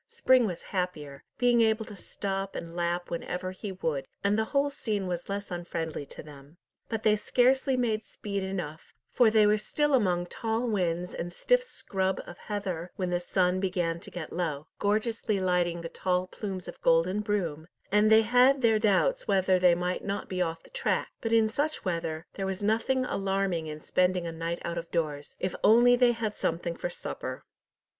Spring was happier, being able to stop and lap whenever he would, and the whole scene was less unfriendly to them. But they scarcely made speed enough, for they were still among tall whins and stiff scrub of heather when the sun began to get low, gorgeously lighting the tall plumes of golden broom, and they had their doubts whether they might not be off the track; but in such weather, there was nothing alarming in spending a night out of doors, if only they had something for supper.